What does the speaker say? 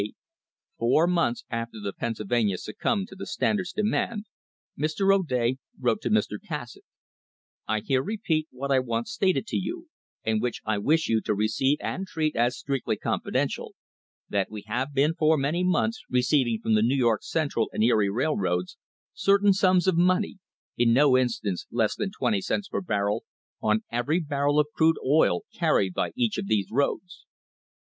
THE CRISIS OF 1878 months after the Pennsylvania succumbed to the Standard's demand, Mr. O'Day wrote to Mr. Cassatt: "I here repeat what I once stated to you, and which I wish you to receive and treat as strictly confidential, that we have been for many months receiving from the New York Central and Erie Rail roads certain sums of money, in no instance less than twenty cents per barrel on every barrel of crude oil carried by each of these roads.